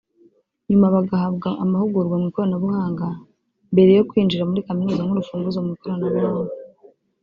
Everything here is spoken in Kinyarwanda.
nyuma bagahabwa amahugurwa mu ikoranabuhanga mbere yo kwinjira muri kaminuza nk’urufunguzo mu ikoranabuhanga